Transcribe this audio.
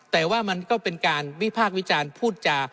แต่ว่ามันก็เป็นการวิพากษ์วิจารณ์พูดจา